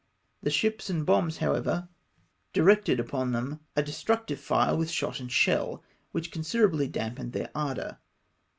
The ships and bombs, however, directed upon them a destructive PRESENTIMENT. 309 fire with sliot and sliell, which considerably damped their ardour.